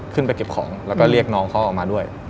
เก็บของแล้วก็เรียกน้องเขาออกมาด้วย